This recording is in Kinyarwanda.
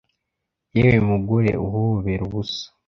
yewe mugore uhobera ubusa